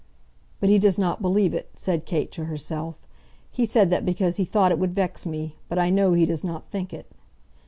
"But he does not believe it," said Kate to herself. "He said that because he thought it would vex me; but I know he does not think it."